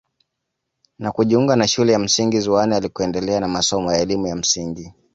Na kujiunga na shule ya msingi ziwani alikoendelea na masomo ya elimu ya msingi